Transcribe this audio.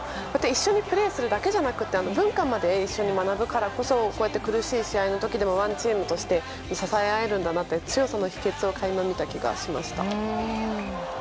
一緒にプレーするだけじゃなくて文化まで一緒に学ぶからこそこうやって苦しい試合の時でもＯＮＥＴＥＡＭとして支え合えるんだなって強さの秘訣を垣間見た気がしました。